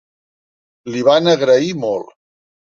L'hi van agrair molt.